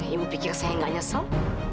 ibu pikir saya gak nyesel